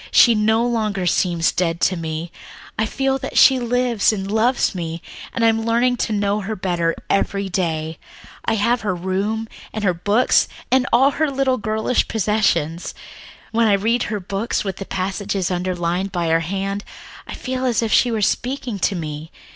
She no longer seems dead to me. I feel that she lives and loves me, and I am learning to know her better every day. I have her room and her books and all her little girlish possessions. When I read her books, with their passages underlined by her hand, I feel as if she were speaking to me.